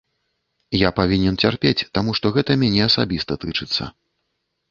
Я павінен цярпець, таму што гэта мяне асабіста тычыцца.